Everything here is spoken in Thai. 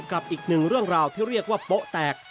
กับอีกหนึ่งเรื่องราวที่เรียกว่าโป๊ะแตก